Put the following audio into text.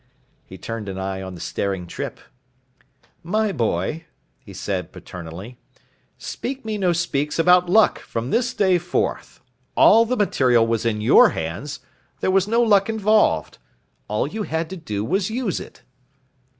He turned an eye on the staring Trippe. "My boy," he said paternally, "speaks me no speaks about luck, from this day forth. All the material was in your hands, there was no luck involved. All you had to do was use it."